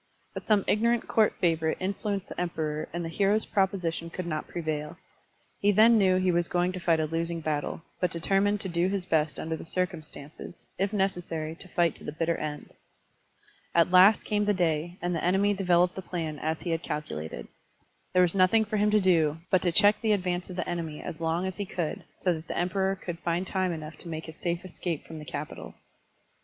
But some ignorant court favorite influenced the Emperor and the hero's proposition could not prevail. He then knew he was going to fight a losing battle, but deter mined to do his best under the circimistances, if necessary to fight to the bitter end. At last came the day, and the enemy developed the plan as he had calculated. There was nothing for him to do but to check the advance of the enemy as long as he cotdd, so that the Emperor could find time enough to make his safe escape from the capital.